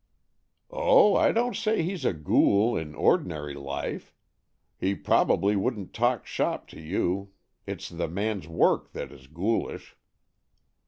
" Oh, I don't say he's a ghoul in ordinary life. He probably wouldn't talk shop to you. It's the man's work that is ghoulish."